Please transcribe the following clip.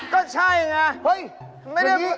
ก็ใช่ไงรับ